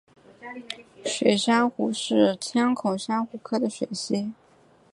火珊瑚是千孔珊瑚科的水螅。